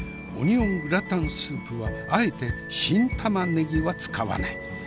オニオングラタンスープはあえて新玉ねぎは使わない。